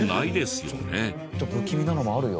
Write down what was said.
不気味なのもあるよ。